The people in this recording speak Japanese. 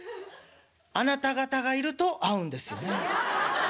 あなた方がいると合うんですよね」。